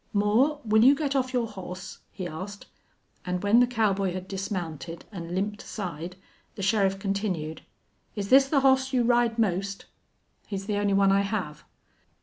"Moore, will you get off your hoss?" he asked. And when the cowboy had dismounted and limped aside the sheriff continued, "Is this the hoss you ride most?" "He's the only one I have."